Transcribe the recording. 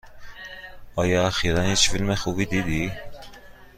آیا اخیرا هیچ فیلم خوبی دیدی؟